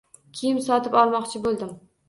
Kiyim sotib olmoqchi boʻldim.